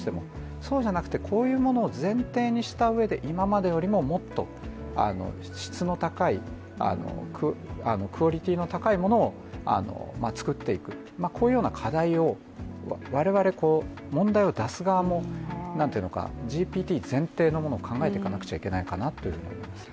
そうじゃなくてこういうものを前提にしたうえで、今までよりももっと質の高い、クオリティーの高いものを作っていくこういうような課題を我々、問題を出す側も、ＧＰＴ前提のものを考えていかなくちゃいけないかなというふうに思いますね。